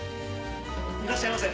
いらっしゃいませ。